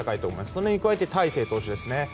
それに加えて大勢投手ですね。